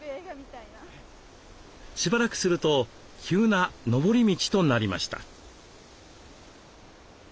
しばらくすると急なのぼり道となりました。